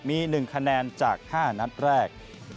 มี๑คะแนนจาก๕นัดแรก